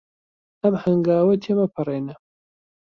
ئەم هەنگاوە تێمەپەڕێنە.